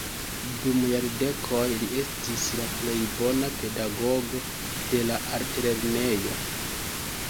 Dum jardekoj li estis la plej bona pedagogo de la altlernejo.